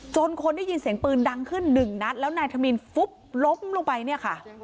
คนได้ยินเสียงปืนดังขึ้นหนึ่งนัดแล้วนายธมินฟุบล้มลงไปเนี่ยค่ะ